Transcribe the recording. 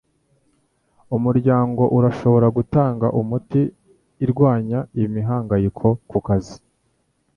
Umuryango urashobora gutanga umuti irwanya imihangayiko kukazi